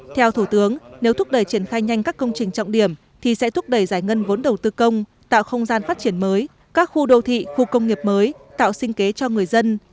theo thủ tướng nếu thúc đẩy triển khai nhanh các công trình trọng điểm thì sẽ thúc đẩy giải ngân vốn đầu tư công tạo không gian phát triển mới các khu đô thị khu công nghiệp mới tạo sinh kế cho người dân